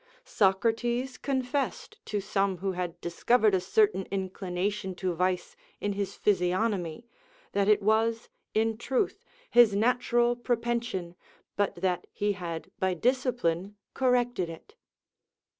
Socrates confessed to some who had discovered a certain inclination to vice in his physiognomy, that it was, in truth, his natural propension, but that he had by discipline corrected it.